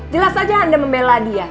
jelas saja anda membela dia